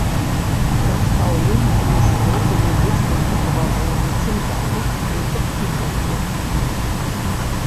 Прадстаўленне ішло ў музычным суправаджэнні цымбалаў, скрыпак і бубнаў.